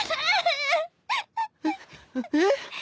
えっえっ？